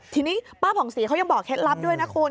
ทีนี้ป้าผ่องศรีเขายังบอกเคล็ดลับด้วยนะคุณ